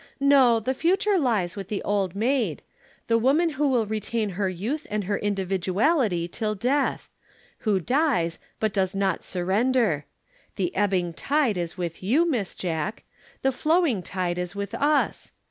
No, the future lies with the Old Maid; the woman who will retain her youth and her individuality till death; who dies, but does not surrender. The ebbing tide is with you, Miss Jack; the flowing tide is with us.